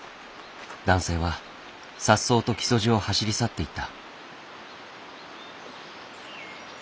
男性はさっそうと木曽路を走り去っていった。